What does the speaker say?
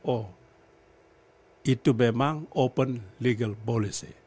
oh itu memang open legal policy